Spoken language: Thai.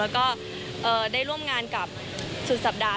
แล้วก็ได้ร่วมงานกับสุดสัปดาห